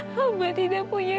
hamba tidak punya